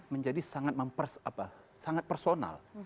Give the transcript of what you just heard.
menjadi sangat personal